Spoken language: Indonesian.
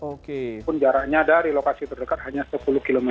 walaupun jaraknya dari lokasi terdekat hanya sepuluh km